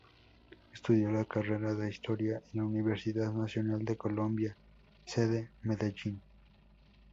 Estudió la carrera de historia en la Universidad Nacional de Colombia Sede Medellín.